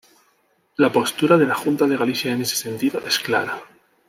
La postura de la Junta de Galicia en ese sentido es clara.